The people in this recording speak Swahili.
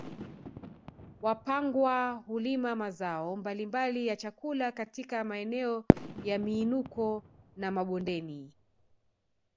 Wapangwa hulima mazao mbalimbali ya chakula katika maeneo ya miinuko na mabondeni